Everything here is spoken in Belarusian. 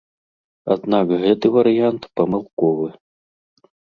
Аднак гэты варыянт памылковы.